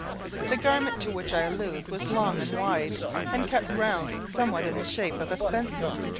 The garment to which I allude was long and wide, and cut round somewhat in the shape of a spencer.